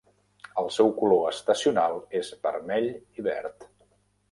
El seu color estacional és vermell i verd.